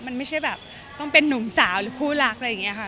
มันไม่ใช่แบบต้องเป็นนุ่มสาวหรือคู่รักอะไรอย่างนี้ค่ะ